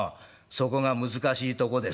『そこが難しいとこです』？